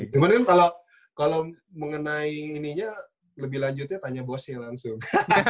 cuman kalau mengenai ininya lebih lanjutnya tanya bosnya langsung